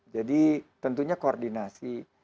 jadi tentunya koordinasi